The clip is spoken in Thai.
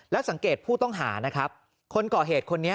สังเกตผู้ต้องหานะครับคนก่อเหตุคนนี้